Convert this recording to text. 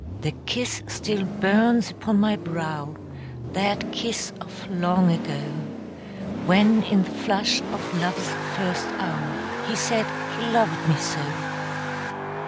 The kiss still burns upon my brow, That kiss of long ago, When in the flush of love's first hour He said he loved me so.